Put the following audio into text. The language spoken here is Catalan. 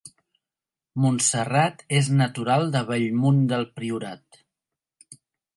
Montserrat és natural de Bellmunt del Priorat